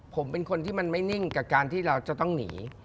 ผมเป็นคนที่มันไม่นิ่งกับการที่เราจะต้องหนี